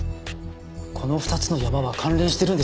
この２つのヤマは関連してるんでしょうか？